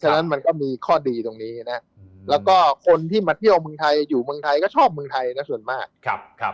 ฉะนั้นมันก็มีข้อดีตรงนี้นะแล้วก็คนที่มาเที่ยวเมืองไทยอยู่เมืองไทยก็ชอบเมืองไทยนะส่วนมาก